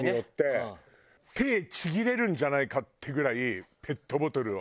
手ちぎれるんじゃないかっていうぐらいペットボトルを。